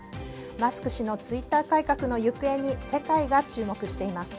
マスク氏のツイッター改革の行方に世界が注目しています。